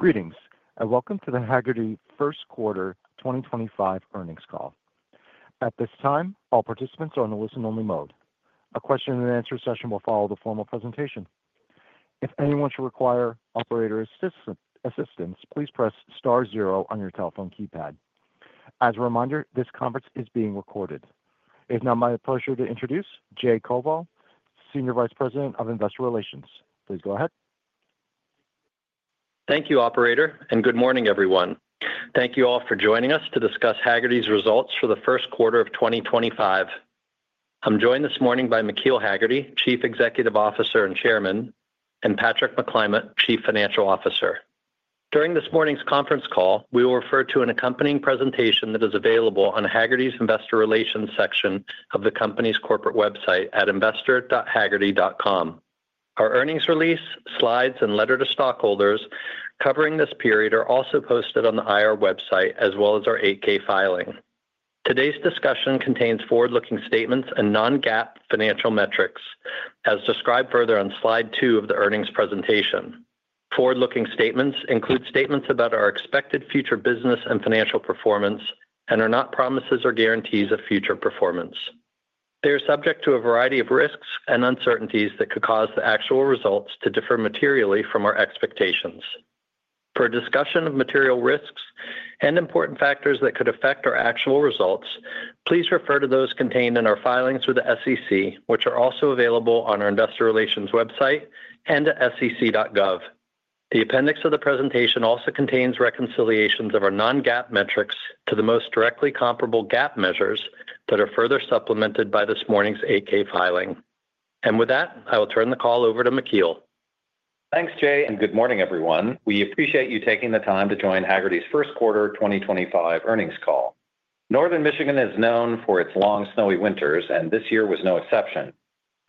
Greetings, and welcome to the Hagerty First Quarter 2025 earnings call. At this time, all participants are on a listen-only mode. A question-and-answer session will follow the formal presentation. If anyone should require operator assistance, please press star zero on your telephone keypad. As a reminder, this conference is being recorded. It is now my pleasure to introduce Jay Koval, Senior Vice President of Investor Relations. Please go ahead. Thank you, Operator, and good morning, everyone. Thank you all for joining us to discuss Hagerty's results for the first quarter of 2025. I'm joined this morning by McKeel Hagerty, Chief Executive Officer and Chairman, and Patrick McClymont, Chief Financial Officer. During this morning's conference call, we will refer to an accompanying presentation that is available on Hagerty's Investor Relations section of the company's corporate website at investor.hagerty.com. Our earnings release, slides, and letter to stockholders covering this period are also posted on the IR website as well as our 8-K filing. Today's discussion contains forward-looking statements and non-GAAP financial metrics, as described further on slide two of the earnings presentation. Forward-looking statements include statements about our expected future business and financial performance and are not promises or guarantees of future performance. They are subject to a variety of risks and uncertainties that could cause the actual results to differ materially from our expectations. For a discussion of material risks and important factors that could affect our actual results, please refer to those contained in our filings with the SEC, which are also available on our Investor Relations website and at sec.gov. The appendix of the presentation also contains reconciliations of our non-GAAP metrics to the most directly comparable GAAP measures that are further supplemented by this morning's 8-K filing. With that, I will turn the call over to McKeel. Thanks, Jay, and good morning, everyone. We appreciate you taking the time to join Hagerty's first quarter 2025 earnings call. Northern Michigan is known for its long, snowy winters, and this year was no exception.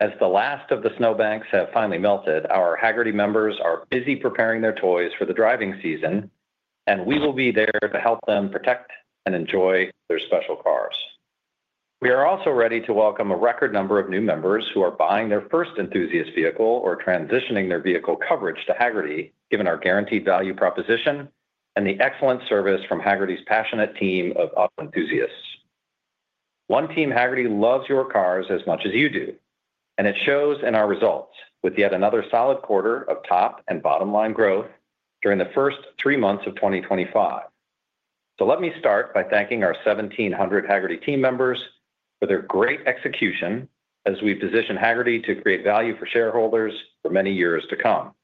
As the last of the snow banks have finally melted, our Hagerty members are busy preparing their toys for the driving season, and we will be there to help them protect and enjoy their special cars. We are also ready to welcome a record number of new members who are buying their first enthusiast vehicle or transitioning their vehicle coverage to Hagerty, given our guaranteed value proposition and the excellent service from Hagerty's passionate team of auto enthusiasts. One team Hagerty loves your cars as much as you do, and it shows in our results with yet another solid quarter of top and bottom line growth during the first three months of 2025. Let me start by thanking our 1,700 Hagerty team members for their great execution as we position Hagerty to create value for shareholders for many years to come.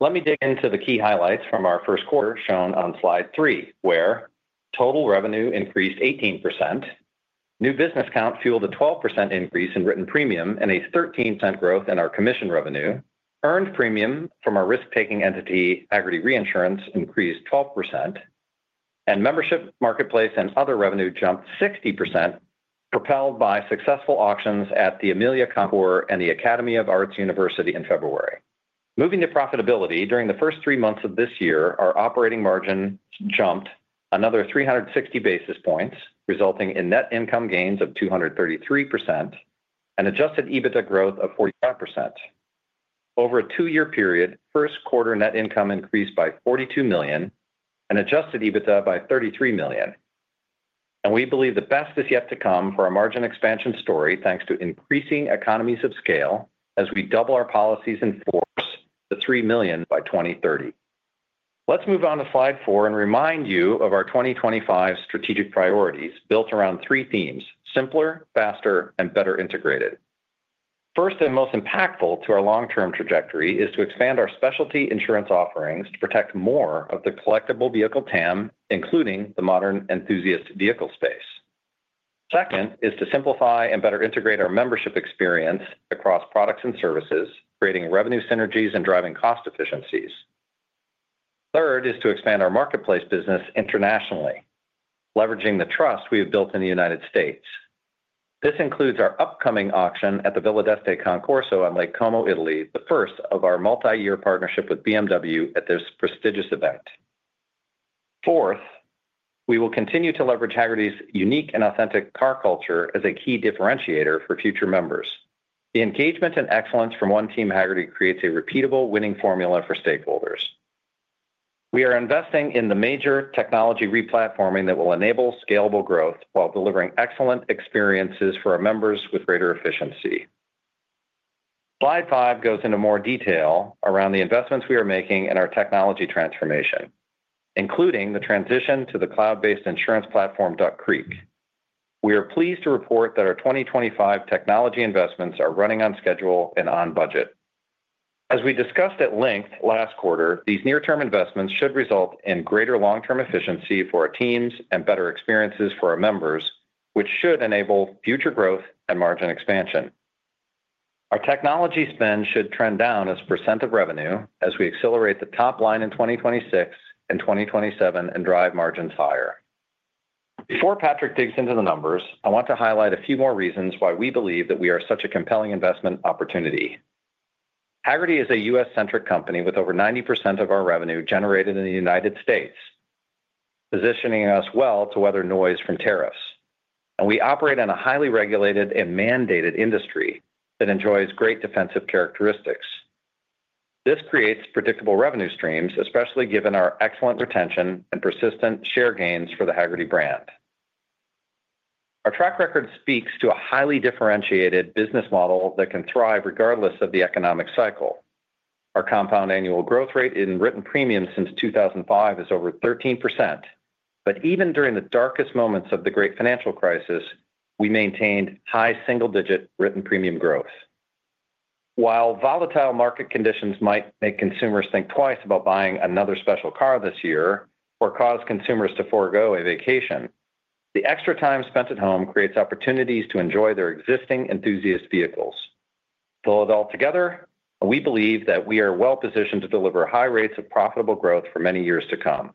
Let me dig into the key highlights from our first quarter shown on slide three, where total revenue increased 18%, new business count fueled a 12% increase in written premium and a 13% growth in our commission revenue, earned premium from our risk-taking entity Hagerty Reinsurance increased 12%, and membership, marketplace, and other revenue jumped 60% propelled by successful auctions at the Amelia Concours and the American Academy of Art University in February. Moving to profitability, during the first three months of this year, our operating margin jumped another 360 basis points, resulting in net income gains of 233% and Adjusted EBITDA growth of 45%. Over a two-year period, first quarter net income increased by $42 million and Adjusted EBITDA by $33 million. We believe the best is yet to come for our margin expansion story thanks to increasing economies of scale as we double our policies in force to 3 million by 2030. Let's move on to slide four and remind you of our 2025 strategic priorities built around three themes: simpler, faster, and better integrated. First and most impactful to our long-term trajectory is to expand our specialty insurance offerings to protect more of the collectible vehicle TAM, including the modern enthusiast vehicle space. Second is to simplify and better integrate our membership experience across products and services, creating revenue synergies and driving cost efficiencies. Third is to expand our marketplace business internationally, leveraging the trust we have built in the United States. This includes our upcoming auction at the Villa d'Este Concorso on Lake Como, Italy, the first of our multi-year partnership with BMW at this prestigious event. Fourth, we will continue to leverage Hagerty's unique and authentic car culture as a key differentiator for future members. The engagement and excellence from one team Hagerty creates a repeatable winning formula for stakeholders. We are investing in the major technology replatforming that will enable scalable growth while delivering excellent experiences for our members with greater efficiency. Slide five goes into more detail around the investments we are making in our technology transformation, including the transition to the cloud-based insurance platform Duck Creek. We are pleased to report that our 2025 technology investments are running on schedule and on budget. As we discussed at length last quarter, these near-term investments should result in greater long-term efficiency for our teams and better experiences for our members, which should enable future growth and margin expansion. Our technology spend should trend down as a percentage of revenue as we accelerate the top line in 2026 and 2027 and drive margins higher. Before Patrick digs into the numbers, I want to highlight a few more reasons why we believe that we are such a compelling investment opportunity. Hagerty is a U.S.-centric company with over 90% of our revenue generated in the United States, positioning us well to weather noise from tariffs. We operate in a highly regulated and mandated industry that enjoys great defensive characteristics. This creates predictable revenue streams, especially given our excellent retention and persistent share gains for the Hagerty brand. Our track record speaks to a highly differentiated business model that can thrive regardless of the economic cycle. Our compound annual growth rate in written premium since 2005 is over 13%, but even during the darkest moments of the great financial crisis, we maintained high single-digit written premium growth. While volatile market conditions might make consumers think twice about buying another special car this year or cause consumers to forgo a vacation, the extra time spent at home creates opportunities to enjoy their existing enthusiast vehicles. Altogether, we believe that we are well positioned to deliver high rates of profitable growth for many years to come.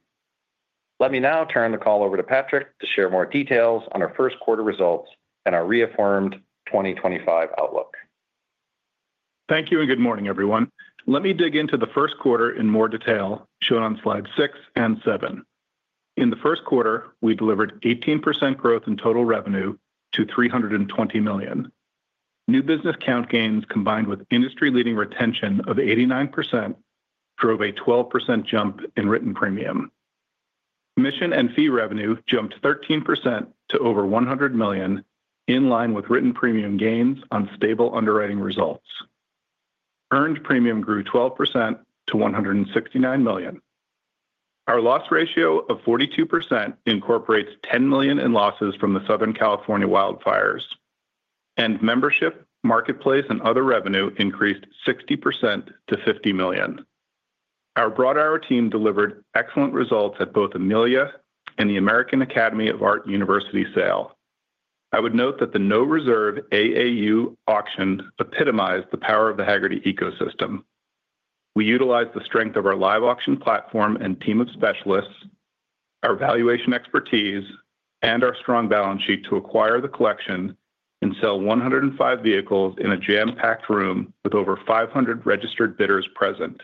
Let me now turn the call over to Patrick to share more details on our first quarter results and our reaffirmed 2025 outlook. Thank you and good morning, everyone. Let me dig into the first quarter in more detail shown on slide six and seven. In the first quarter, we delivered 18% growth in total revenue to $320 million. New business count gains combined with industry-leading retention of 89% drove a 12% jump in written premium. Commission and fee revenue jumped 13% to over $100 million, in line with written premium gains on stable underwriting results. Earned premium grew 12% to $169 million. Our loss ratio of 42% incorporates $10 million in losses from the Southern California wildfires. Membership, marketplace, and other revenue increased 60% to $50 million. Our broader team delivered excellent results at both Amelia and the American Academy of Art University sale. I would note that the no-reserve AAU auction epitomized the power of the Hagerty ecosystem. We utilized the strength of our live auction platform and team of specialists, our valuation expertise, and our strong balance sheet to acquire the collection and sell 105 vehicles in a jam-packed room with over 500 registered bidders present.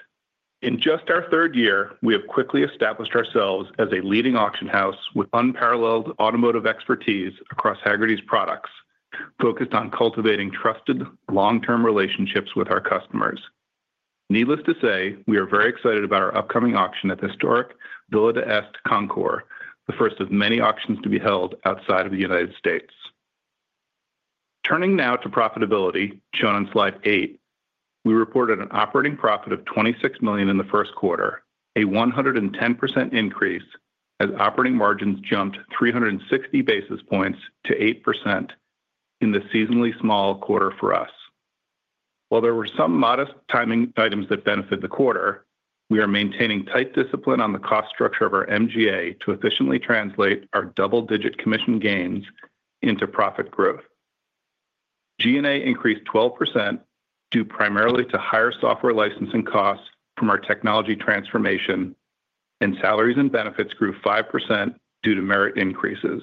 In just our third year, we have quickly established ourselves as a leading auction house with unparalleled automotive expertise across Hagerty's products, focused on cultivating trusted long-term relationships with our customers. Needless to say, we are very excited about our upcoming auction at the historic Villa d'Este Concorso, the first of many auctions to be held outside of the United States. Turning now to profitability shown on slide eight, we reported an operating profit of $26 million in the first quarter, a 110% increase as operating margins jumped 360 basis points to 8% in the seasonally small quarter for us. While there were some modest timing items that benefited the quarter, we are maintaining tight discipline on the cost structure of our MGA to efficiently translate our double-digit commission gains into profit growth. G&A increased 12% due primarily to higher software licensing costs from our technology transformation, and salaries and benefits grew 5% due to merit increases.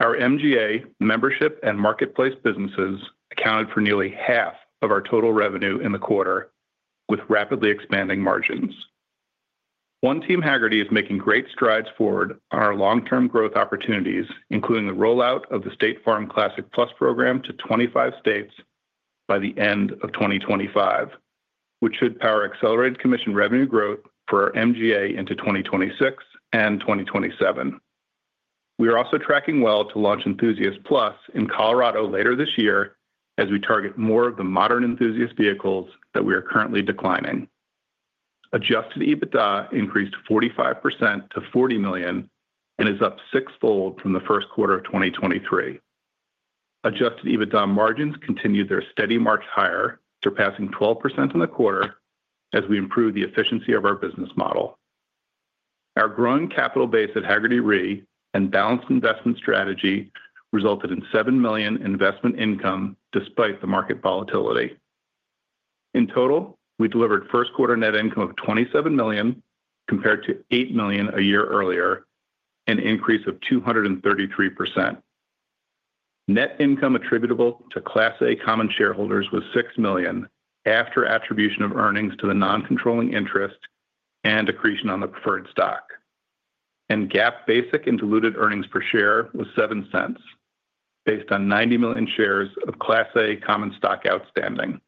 Our MGA, membership, and marketplace businesses accounted for nearly half of our total revenue in the quarter, with rapidly expanding margins. One team Hagerty is making great strides forward on our long-term growth opportunities, including the rollout of the State Farm Classic Plus program to 25 states by the end of 2025, which should power accelerated commission revenue growth for our MGA into 2026 and 2027. We are also tracking well to launch Enthusiast Plus in Colorado later this year as we target more of the modern enthusiast vehicles that we are currently declining. Adjusted EBITDA increased 45% to $40 million and is up sixfold from the first quarter of 2023. Adjusted EBITDA margins continue their steady march higher, surpassing 12% in the quarter as we improve the efficiency of our business model. Our growing capital base at Hagerty Re and balanced investment strategy resulted in $7 million investment income despite the market volatility. In total, we delivered first quarter net income of $27 million compared to $8 million a year earlier, an increase of 233%. Net income attributable to Class A common shareholders was $6 million after attribution of earnings to the non-controlling interest and decreasing on the preferred stock. GAAP basic and diluted earnings per share was $0.07 based on 90 million shares of Class A common stock outstanding.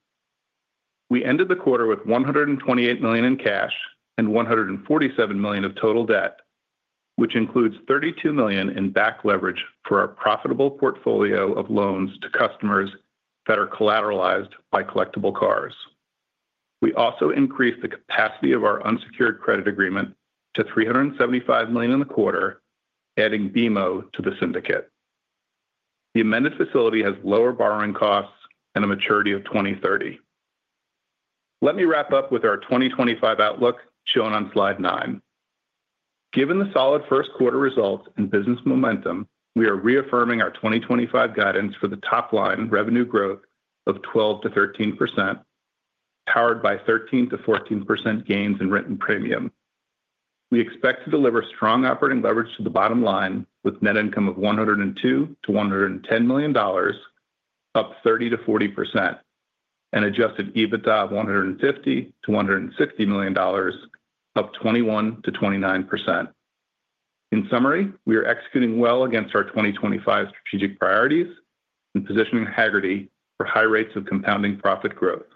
We ended the quarter with $128 million in cash and $147 million of total debt, which includes $32 million in back leverage for our profitable portfolio of loans to customers that are collateralized by collectible cars. We also increased the capacity of our unsecured credit agreement to $375 million in the quarter, adding BMO to the syndicate. The amended facility has lower borrowing costs and a maturity of 2030. Let me wrap up with our 2025 outlook shown on slide nine. Given the solid first quarter results and business momentum, we are reaffirming our 2025 guidance for the top line revenue growth of 12%-13%, powered by 13%-14% gains in written premium. We expect to deliver strong operating leverage to the bottom line with net income of $102-$110 million, up 30%-40%, and Adjusted EBITDA of $150 million-$160 million, up 21%-29%. In summary, we are executing well against our 2025 strategic priorities and positioning Hagerty for high rates of compounding profit growth.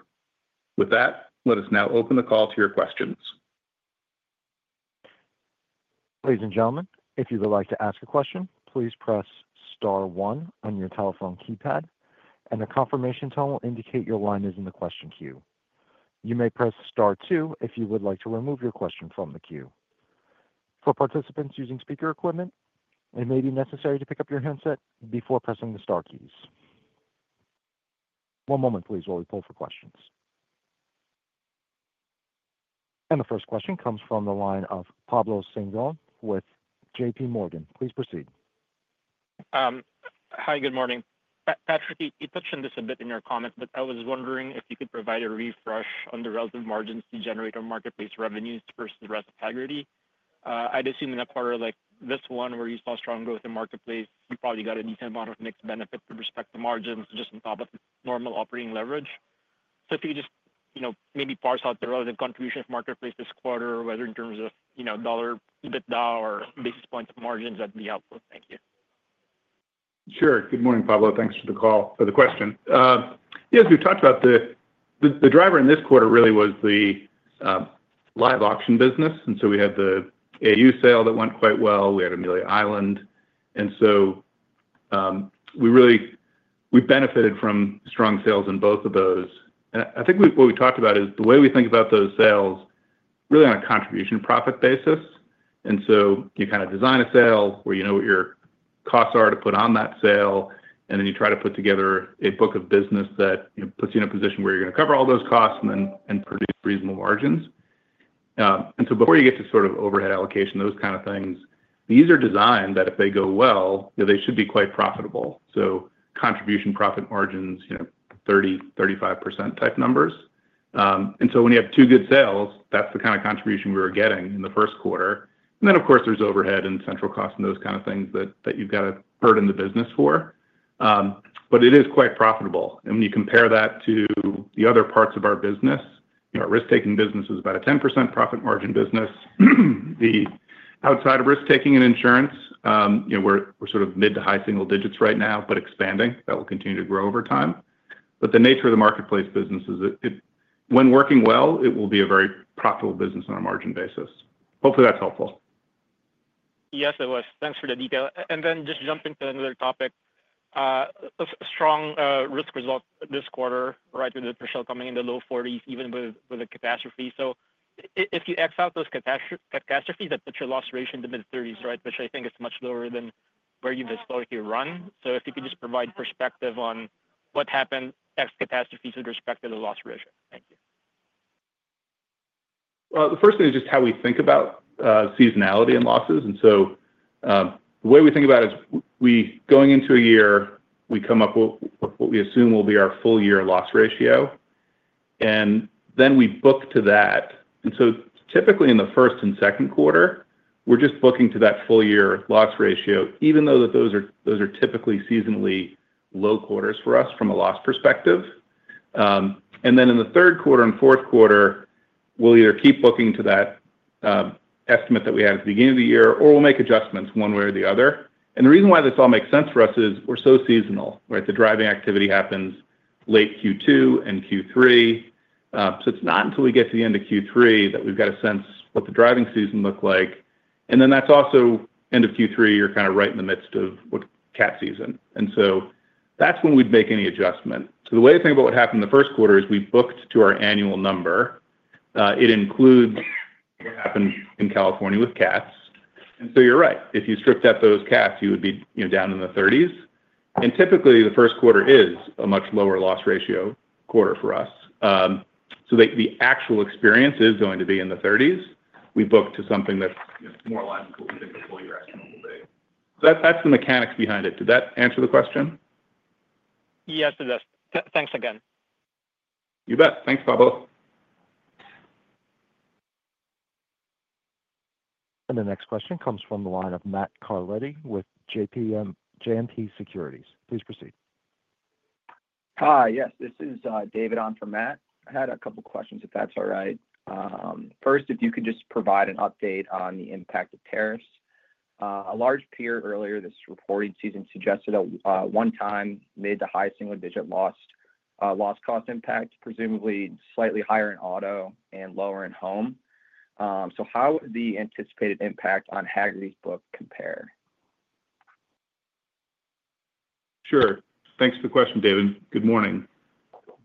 With that, let us now open the call to your questions. Ladies and gentlemen, if you would like to ask a question, please press star one on your telephone keypad, and a confirmation tone will indicate your line is in the question queue. You may press star two if you would like to remove your question from the queue. For participants using speaker equipment, it may be necessary to pick up your handset before pressing the star keys. One moment, please, while we poll for questions. The first question comes from the line of Pablo Zuanic with J.P. Morgan. Please proceed. Hi, good morning. Patrick, you touched on this a bit in your comment, but I was wondering if you could provide a refresh on the relative margins to generate a marketplace revenue versus the rest of Hagerty. I'd assume in a quarter like this one where you saw strong growth in marketplace, you probably got a decent amount of mixed benefit with respect to margins just on top of normal operating leverage. If you could just maybe parse out the relative contribution of marketplace this quarter, whether in terms of dollar EBITDA or basis points of margins, that'd be helpful. Thank you. Sure. Good morning, Pablo. Thanks for the call, for the question. Yeah, as we've talked about, the driver in this quarter really was the live auction business. We had the AAU sale that went quite well. We had Amelia Island. We benefited from strong sales in both of those. I think what we talked about is the way we think about those sales really on a contribution profit basis. You kind of design a sale where you know what your costs are to put on that sale, and then you try to put together a book of business that puts you in a position where you're going to cover all those costs and produce reasonable margins. Before you get to sort of overhead allocation, those kind of things, these are designed that if they go well, they should be quite profitable. Contribution profit margins, 30%-35% type numbers. When you have two good sales, that's the kind of contribution we were getting in the first quarter. Of course, there's overhead and central costs and those kind of things that you've got to hurt in the business for. It is quite profitable. When you compare that to the other parts of our business, our risk-taking business is about a 10% profit margin business. Outside of risk-taking and insurance, we're sort of mid to high single digits right now, but expanding. That will continue to grow over time. The nature of the marketplace business is that when working well, it will be a very profitable business on a margin basis. Hopefully, that's helpful. Yes, it was. Thanks for the detail. Just jumping to another topic. Strong risk results this quarter, right, with the threshold coming in the low 40s, even with a catastrophe. If you X out those catastrophes, that puts your loss ratio in the mid-30s, right, which I think is much lower than where you historically run. If you could just provide perspective on what happened X catastrophe with respect to the loss ratio. Thank you. The first thing is just how we think about seasonality and losses. The way we think about it is going into a year, we come up with what we assume will be our full year loss ratio. We book to that. Typically in the first and second quarter, we're just booking to that full year loss ratio, even though those are typically seasonally low quarters for us from a loss perspective. In the third quarter and fourth quarter, we'll either keep booking to that estimate that we had at the beginning of the year, or we'll make adjustments one way or the other. The reason why this all makes sense for us is we're so seasonal, right? The driving activity happens late Q2 and Q3. It is not until we get to the end of Q3 that we have got a sense of what the driving season looks like. That is also end of Q3, you are kind of right in the midst of cat season. That is when we would make any adjustment. The way to think about what happened in the first quarter is we booked to our annual number. It includes what happened in California with cats. You are right. If you stripped out those cats, you would be down in the 30s. Typically, the first quarter is a much lower loss ratio quarter for us. The actual experience is going to be in the 30s. We booked to something that is more logical than the full year estimate will be. That is the mechanics behind it. Did that answer the question? Yes, it does. Thanks again. You bet. Thanks, Pablo. The next question comes from the line of Matt Carletti with JMP Securities. Please proceed. Hi, yes. This is David on for Matt. I had a couple of questions, if that's all right. First, if you could just provide an update on the impact of tariffs. A large peer earlier this reporting season suggested a one-time mid to high single-digit loss cost impact, presumably slightly higher in auto and lower in home. How would the anticipated impact on Hagerty's book compare? Sure. Thanks for the question, David. Good morning.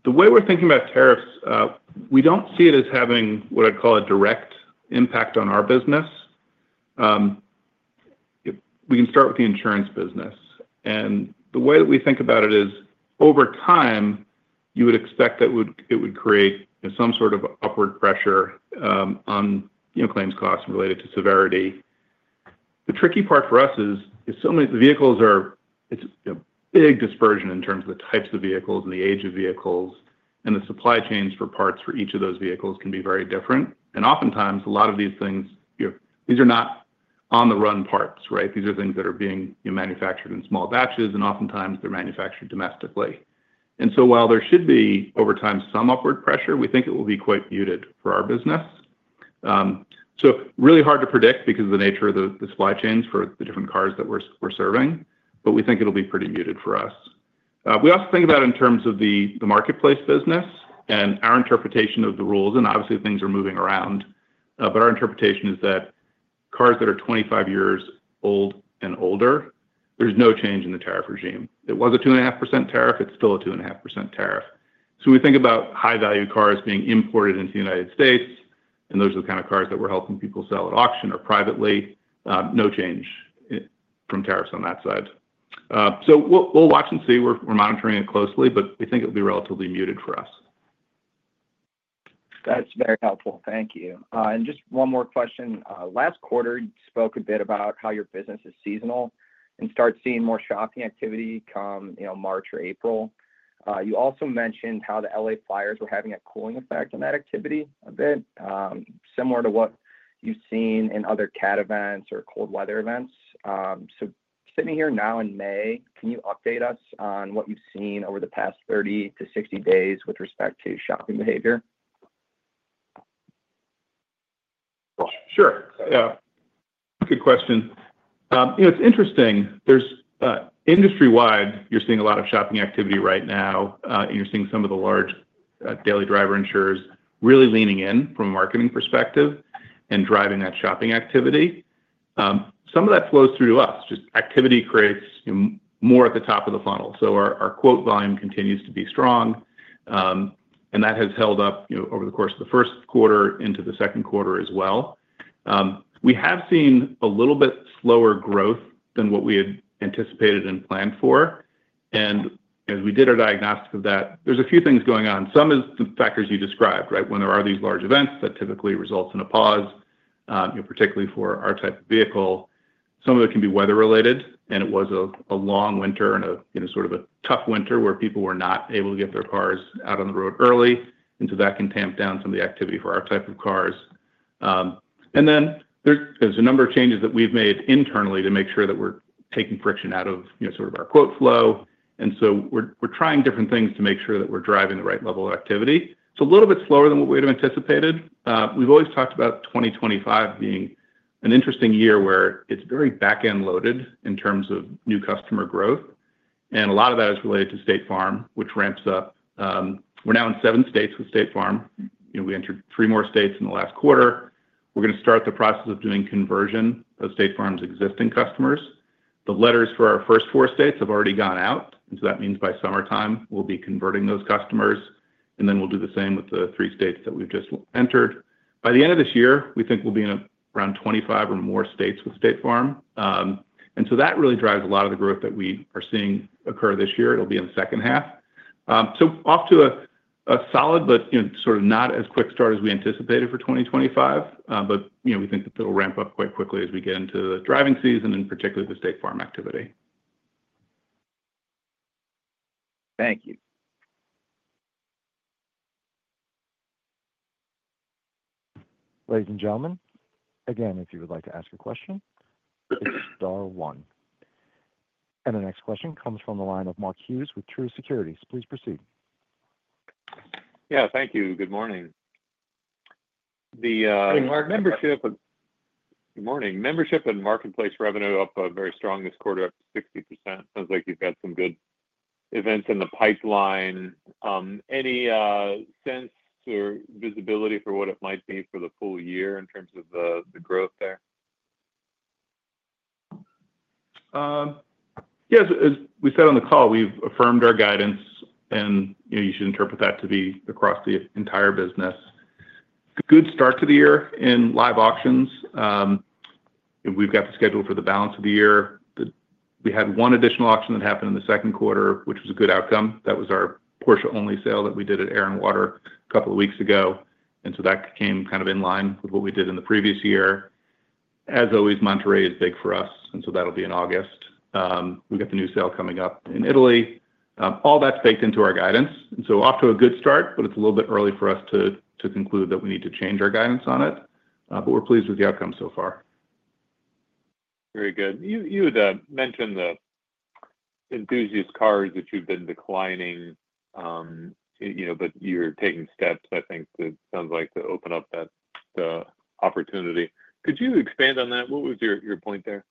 The way we're thinking about tariffs, we don't see it as having what I'd call a direct impact on our business. We can start with the insurance business. The way that we think about it is over time, you would expect that it would create some sort of upward pressure on claims costs related to severity. The tricky part for us is the vehicles are a big dispersion in terms of the types of vehicles and the age of vehicles. The supply chains for parts for each of those vehicles can be very different. Oftentimes, a lot of these things, these are not on-the-run parts, right? These are things that are being manufactured in small batches, and oftentimes, they're manufactured domestically. While there should be over time some upward pressure, we think it will be quite muted for our business. It is really hard to predict because of the nature of the supply chains for the different cars that we are serving, but we think it will be pretty muted for us. We also think about it in terms of the marketplace business and our interpretation of the rules. Obviously, things are moving around, but our interpretation is that cars that are 25 years old and older, there is no change in the tariff regime. It was a 2.5% tariff. It is still a 2.5% tariff. We think about high-value cars being imported into the United States, and those are the kind of cars that we are helping people sell at auction or privately, no change from tariffs on that side. We will watch and see. We're monitoring it closely, but we think it'll be relatively muted for us. That's very helpful. Thank you. And just one more question. Last quarter, you spoke a bit about how your business is seasonal and started seeing more shopping activity come March or April. You also mentioned how the L.A. fires were having a cooling effect on that activity a bit, similar to what you've seen in other cat events or cold weather events. Sitting here now in May, can you update us on what you've seen over the past 30-60 days with respect to shopping behavior? Sure. Yeah. Good question. It's interesting. Industry-wide, you're seeing a lot of shopping activity right now, and you're seeing some of the large daily driver insurers really leaning in from a marketing perspective and driving that shopping activity. Some of that flows through to us. Just activity creates more at the top of the funnel. Our quote volume continues to be strong, and that has held up over the course of the first quarter into the second quarter as well. We have seen a little bit slower growth than what we had anticipated and planned for. As we did our diagnostic of that, there's a few things going on. Some of the factors you described, right, when there are these large events that typically result in a pause, particularly for our type of vehicle. Some of it can be weather-related, and it was a long winter and sort of a tough winter where people were not able to get their cars out on the road early. That can tamp down some of the activity for our type of cars. There are a number of changes that we've made internally to make sure that we're taking friction out of sort of our quote flow. We're trying different things to make sure that we're driving the right level of activity. It's a little bit slower than what we would have anticipated. We've always talked about 2025 being an interesting year where it's very back-end loaded in terms of new customer growth. A lot of that is related to State Farm, which ramps up. We're now in seven states with State Farm. We entered three more states in the last quarter. We're going to start the process of doing conversion of State Farm's existing customers. The letters for our first four states have already gone out. That means by summertime, we'll be converting those customers. Then we'll do the same with the three states that we've just entered. By the end of this year, we think we'll be in around 25 or more states with State Farm. That really drives a lot of the growth that we are seeing occur this year. It'll be in the second half. Off to a solid, but sort of not as quick start as we anticipated for 2025, but we think that it'll ramp up quite quickly as we get into the driving season and particularly the State Farm activity. Thank you. Ladies and gentlemen, again, if you would like to ask a question, it's star one. The next question comes from the line of Mark Hughes with Truist Securities. Please proceed. Yeah. Thank you. Good morning. Good morning. Membership and marketplace revenue up very strong this quarter, up 60%. Sounds like you've got some good events in the pipeline. Any sense or visibility for what it might be for the full year in terms of the growth there? Yeah. As we said on the call, we've affirmed our guidance, and you should interpret that to be across the entire business. Good start to the year in live auctions. We've got the schedule for the balance of the year. We had one additional auction that happened in the second quarter, which was a good outcome. That was our Porsche-only sale that we did at Air and Water a couple of weeks ago. And so that came kind of in line with what we did in the previous year. As always, Monterey is big for us, and so that'll be in August. We've got the new sale coming up in Italy. All that's baked into our guidance. Off to a good start, but it's a little bit early for us to conclude that we need to change our guidance on it. We're pleased with the outcome so far. Very good. You had mentioned the enthusiast cars that you've been declining, but you're taking steps, I think, that sounds like to open up that opportunity. Could you expand on that? What was your point there?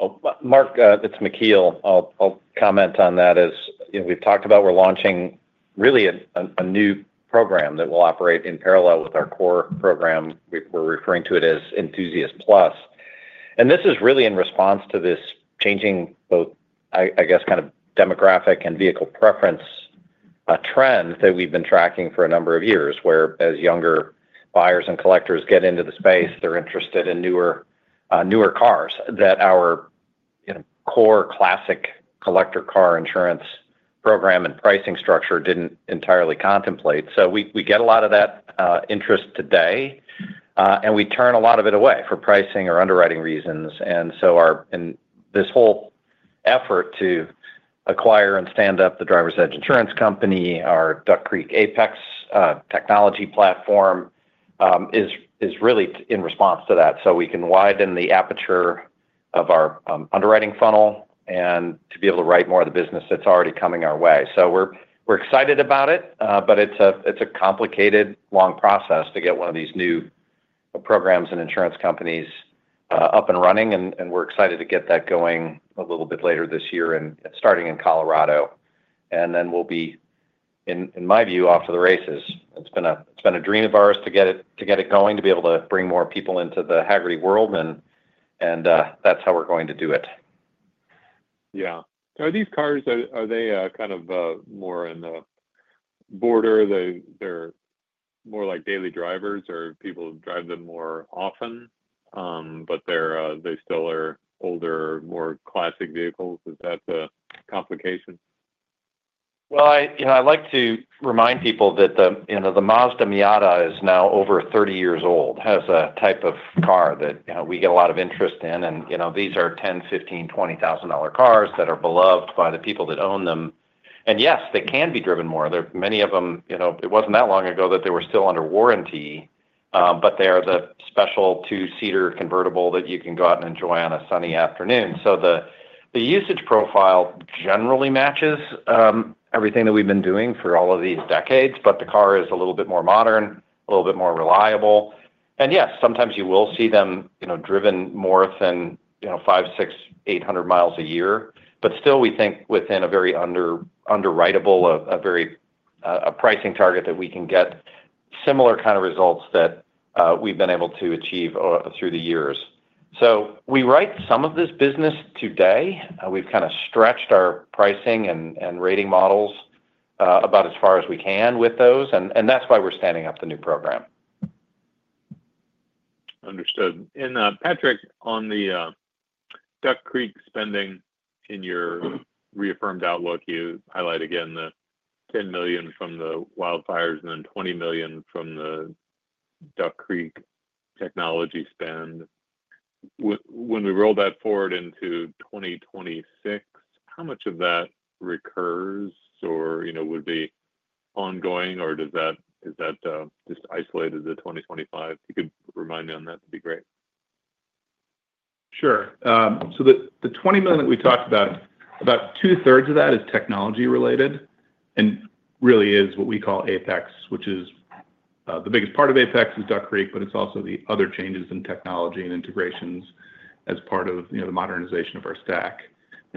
Oh, Mark, it's McKeel. I'll comment on that as we've talked about. We're launching really a new program that will operate in parallel with our core program. We're referring to it as Enthusiast Plus. This is really in response to this changing both, I guess, kind of demographic and vehicle preference trend that we've been tracking for a number of years where, as younger buyers and collectors get into the space, they're interested in newer cars that our core classic collector car insurance program and pricing structure didn't entirely contemplate. We get a lot of that interest today, and we turn a lot of it away for pricing or underwriting reasons. This whole effort to acquire and stand up the Driver's Edge Insurance Company, our Duck Creek Apex technology platform is really in response to that so we can widen the aperture of our underwriting funnel and to be able to write more of the business that's already coming our way. We're excited about it, but it's a complicated, long process to get one of these new programs and insurance companies up and running. We're excited to get that going a little bit later this year and starting in Colorado. We'll be, in my view, off to the races. It's been a dream of ours to get it going, to be able to bring more people into the Hagerty world, and that's how we're going to do it. Yeah. Are these cars, are they kind of more on the border? They're more like daily drivers or people drive them more often, but they still are older, more classic vehicles. Is that the complication? I would like to remind people that the Mazda Miata is now over 30 years old, has a type of car that we get a lot of interest in. These are $10,000, $15,000, $20,000 cars that are beloved by the people that own them. Yes, they can be driven more. Many of them, it was not that long ago that they were still under warranty, but they are the special two-seater convertible that you can go out and enjoy on a sunny afternoon. The usage profile generally matches everything that we have been doing for all of these decades, but the car is a little bit more modern, a little bit more reliable. Yes, sometimes you will see them driven more than 500, 600, 800 mi a year. Still, we think within a very underwritable, a pricing target that we can get similar kind of results that we've been able to achieve through the years. We write some of this business today. We've kind of stretched our pricing and rating models about as far as we can with those. That's why we're standing up the new program. Understood. Patrick, on the Duck Creek spending in your reaffirmed outlook, you highlight again the $10 million from the wildfires and then $20 million from the Duck Creek technology spend. When we roll that forward into 2026, how much of that recurs or would be ongoing, or is that just isolated to 2025? If you could remind me on that, that'd be great. Sure. The $20 million that we talked about, about two-thirds of that is technology-related and really is what we call Apex, which is the biggest part of Apex is Duck Creek, but it is also the other changes in technology and integrations as part of the modernization of our stack.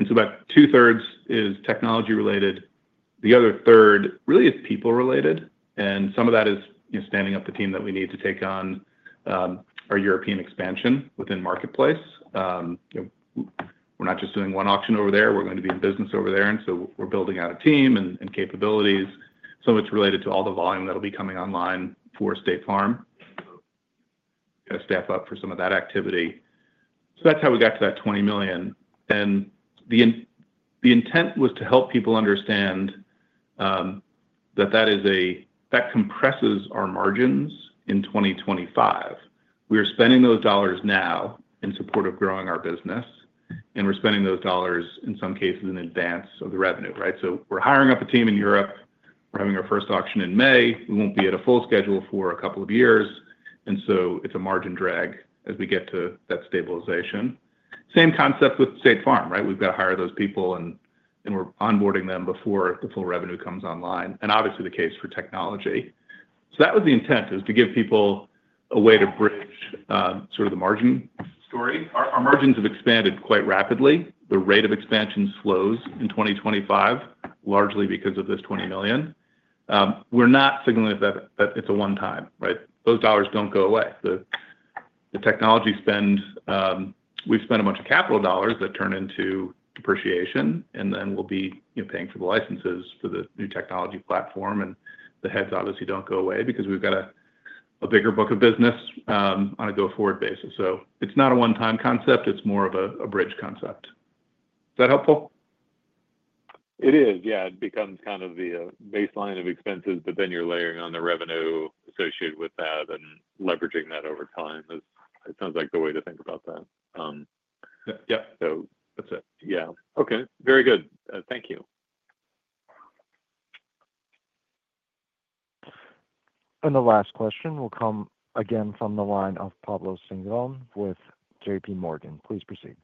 About 2/3 is technology-related. The other third really is people-related. Some of that is standing up the team that we need to take on our European expansion within marketplace. We are not just doing one auction over there. We are going to be in business over there. We are building out a team and capabilities. Some of it is related to all the volume that will be coming online for State Farm to step up for some of that activity. That is how we got to that $20 million. The intent was to help people understand that that compresses our margins in 2025. We are spending those dollars now in support of growing our business, and we're spending those dollars, in some cases, in advance of the revenue, right? We're hiring up a team in Europe. We're having our first auction in May. We won't be at a full schedule for a couple of years. It is a margin drag as we get to that stabilization. Same concept with State Farm, right? We've got to hire those people, and we're onboarding them before the full revenue comes online. Obviously, the case for technology. That was the intent, to give people a way to bridge sort of the margin story. Our margins have expanded quite rapidly. The rate of expansion slows in 2025, largely because of this $20 million. We're not signaling that it's a one-time, right? Those dollars don't go away. The technology spend, we've spent a bunch of capital dollars that turn into depreciation, and then we'll be paying for the licenses for the new technology platform. The heads obviously don't go away because we've got a bigger book of business on a go-forward basis. It's not a one-time concept. It's more of a bridge concept. Is that helpful? It is. Yeah. It becomes kind of the baseline of expenses, but then you're layering on the revenue associated with that and leveraging that over time is, it sounds like, the way to think about that. Yep. That's it. Yeah. Okay. Very good. Thank you. The last question will come again from the line of Pablo Zuanic with J.P. Morgan. Please proceed.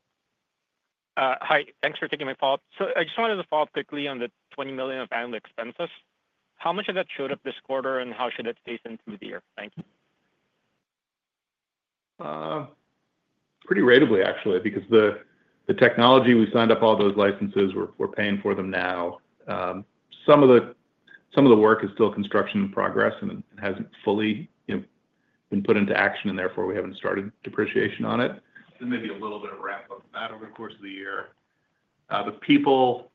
Hi. Thanks for taking my call. I just wanted to follow up quickly on the $20 million of annual expenses. How much of that showed up this quarter, and how should that stay through the year? Thank you. Pretty ratably, actually, because the technology we signed up all those licenses, we're paying for them now. Some of the work is still construction in progress and hasn't fully been put into action, and therefore, we haven't started depreciation on it. Maybe a little bit of wrap-up of that over the course of the year. The people,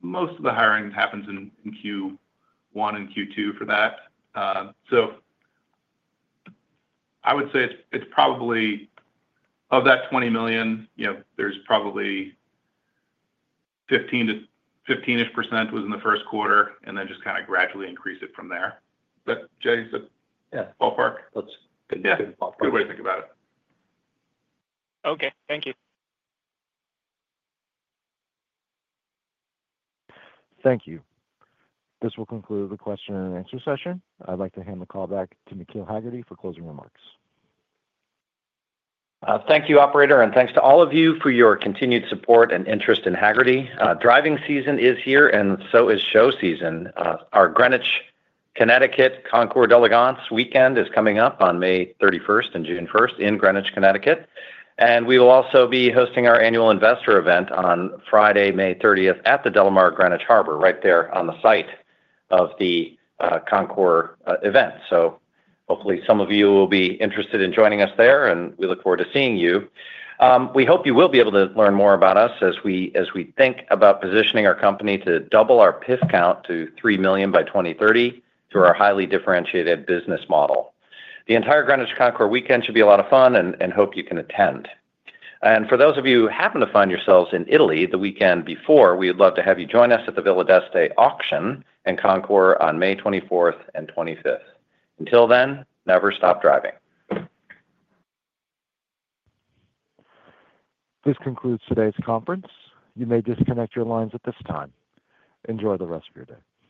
most of the hiring happens in Q1 and Q2 for that. I would say it's probably of that $20 million, there's probably 15% was in the first quarter, and then just kind of gradually increase it from there. Is that Jay's ballpark? Yeah. That's a good ballpark. Good way to think about it. Okay. Thank you. Thank you. This will conclude the question and answer session. I'd like to hand the call back to McKeel Hagerty for closing remarks. Thank you, operator. And thanks to all of you for your continued support and interest in Hagerty. Driving season is here, and so is show season. Our Greenwich, Connecticut Concours d'Elegance weekend is coming up on May 31st and June 1st in Greenwich, Connecticut. And we will also be hosting our annual investor event on Friday, May 30th, at the Delamar Greenwich Harbor, right there on the site of the Concours event. So hopefully, some of you will be interested in joining us there, and we look forward to seeing you. We hope you will be able to learn more about us as we think about positioning our company to double our PIF count to 3 million by 2030 through our highly differentiated business model. The entire Greenwich Concours weekend should be a lot of fun, and hope you can attend. For those of you who happen to find yourselves in Italy the weekend before, we would love to have you join us at the Villa d'Este auction and Concours on May 24th and 25th. Until then, never stop driving. This concludes today's conference. You may disconnect your lines at this time. Enjoy the rest of your day.